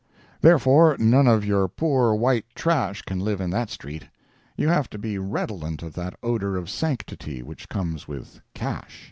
Therefore none of your poor white trash can live in that street. You have to be redolent of that odor of sanctity which comes with cash.